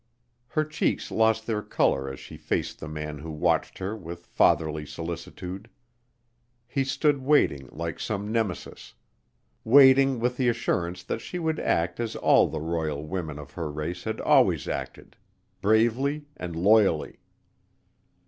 Her cheeks lost their color as she faced the man who watched her with fatherly solicitude. He stood waiting like some Nemesis, waiting with the assurance that she would act as all the royal women of her race had always acted, bravely and loyally.